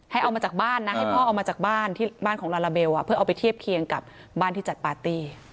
เอามาจากบ้านนะให้พ่อเอามาจากบ้านที่บ้านของลาลาเบลเพื่อเอาไปเทียบเคียงกับบ้านที่จัดปาร์ตี้